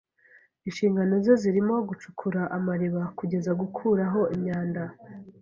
Inshingano ze zirimo gucukura amariba kugeza gukuraho imyanda.